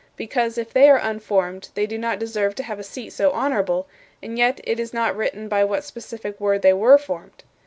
Because if they are unformed, they do not deserve to have a seat so honorable, and yet it is not written by what specific word they were formed.